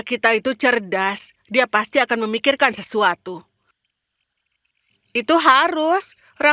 kerajaan seperti yang dijelaskan oleh raja